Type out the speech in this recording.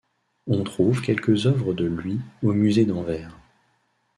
On trouve quelques œuvres de lui au Musée d'Anvers.